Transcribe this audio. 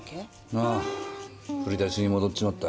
ああふりだしに戻っちまった。